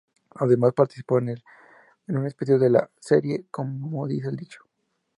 Además participó en un episodio de la serie "Como dice el dicho".